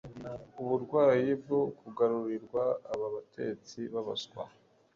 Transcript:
uburwayi bwo kugugarirwa. Aba batetsi b’abaswa,